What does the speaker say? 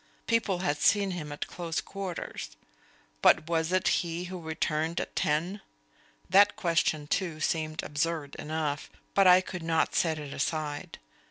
People had seen him at close quarters. But was it he who returned at ten? That question too seemed absurd enough. But I could not set it aside.